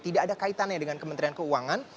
tidak ada kaitannya dengan kementerian keuangan